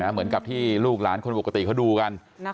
เหมือนกับที่ลูกหลานคนปกติเขาดูกัน